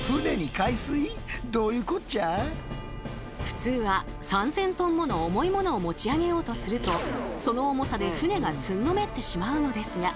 普通は３，０００ｔもの重いものを持ち上げようとするとその重さで船がつんのめってしまうのですが。